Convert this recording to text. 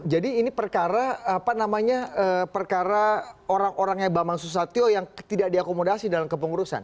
jadi ini perkara apa namanya perkara orang orangnya bambang susatyo yang tidak diakomodasi dalam kepengurusan